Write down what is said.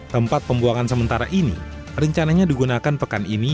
tempat pembuangan sementara ini rencananya digunakan pekan ini